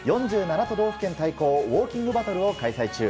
都道府県対抗ウォーキングバトルを開催中。